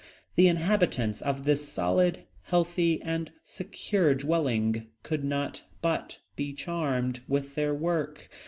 The inhabitants of this solid, healthy, and secure dwelling, could not but be charmed with their work.